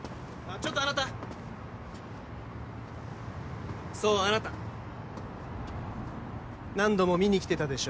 ちょっとあなたそうあなた何度も見に来てたでしょ